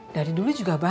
dari dulu juga baik